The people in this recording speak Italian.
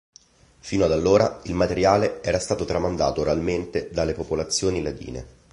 Fino ad allora il materiale era stato tramandato oralmente dalle popolazioni ladine.